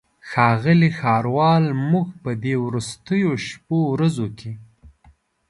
ښاغلی ښاروال موږ په دې وروستیو شپو ورځو کې.